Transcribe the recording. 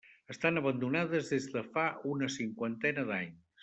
Estan abandonades des de fa una cinquantena d'anys.